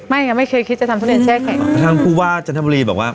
ยังไม่เคยคิดจะทำทุเรียนแช่แข็งทางผู้ว่าจันทบุรีบอกว่า